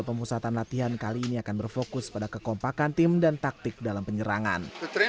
pemusatan latihan kali ini akan berfokus pada kekompakan tim dan taktik dalam penyerangan